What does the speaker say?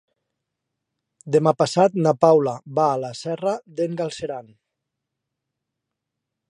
Demà passat na Paula va a la Serra d'en Galceran.